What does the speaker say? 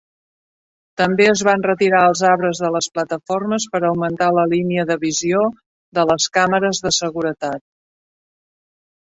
També es van retirar els arbres de les plataformes per a augmentar la línia de visió de les càmeres de seguretat.